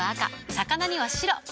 魚には白。